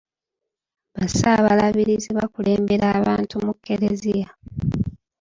Ba ssaabalabirizi bakulembera abantu mu kereziya.